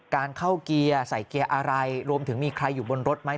การเข้าเกียร์ใส่เกียร์อะไรรวมถึงมีใครอยู่บนรถไหม